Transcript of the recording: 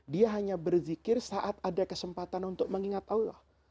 dia hanya berzikir saat ada kesempatan untuk mengingat allah